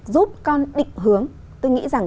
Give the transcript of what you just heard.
giúp con định hướng tôi nghĩ rằng